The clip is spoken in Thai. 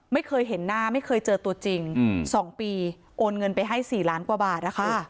ไม่เคยเห็นหน้าไม่เคยเจอตัวจริง๒ปีโอนเงินไปให้๔ล้านกว่าบาทนะคะ